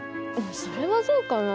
それはどうかな。